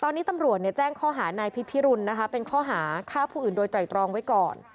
ตอนนี้ตำรวจแจ้งข้อหานายพิพิรุณนะคะเป็นข้อหาฆ่าผู้อื่นโดยไตรตรองไว้ก่อน